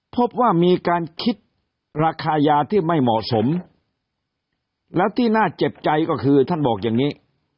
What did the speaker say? พบว่ามีการคิดราคายาที่ไม่เหมาะสมแล้วที่น่าเจ็บใจก็คือท่านบอกอย่างนี้